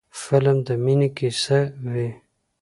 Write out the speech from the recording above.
فلم د مینې کیسه وي